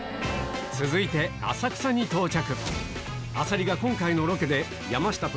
続いて浅草に到着